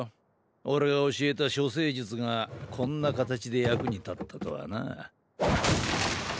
俺が教えた処世術がこんな形で役に立ったとはな。